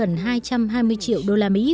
sẽ lên tới gần hai trăm hai mươi triệu đô la mỹ